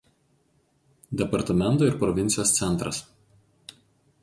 Departamento ir provincijos centras.